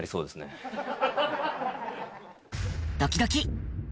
ドキドキ。